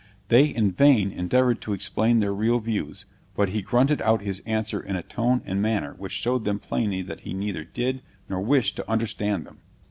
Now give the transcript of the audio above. They in vain endeavored to explain their real views; but he grunted out his answer in a tone and manner which showed them plainly that he neither did, nor wished to understand them.